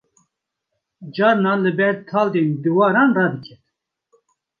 carna li ber taldên diwaran radiket